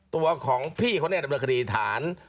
ตัวของพี่เขาเนี่ยดำเนินคดีฐาน